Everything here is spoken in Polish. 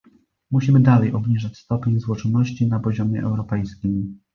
Musimy dalej obniżać stopień złożoności na poziomie europejskim